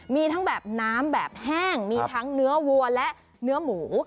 มีทั้งแบบน้ำแบบแห้งมีทั้งเนื้อวัวและเนื้อหมู